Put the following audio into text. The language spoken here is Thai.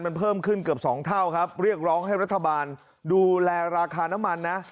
มันเพิ่มขึ้นเกือบสองเท่าครับเรียกร้องให้รัฐบาลดูแลราคาน้ำมันนะ